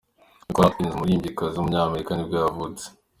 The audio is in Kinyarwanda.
Nicole Atkins, umuririmbyikazi w’umunyamerika nibwo yavutse.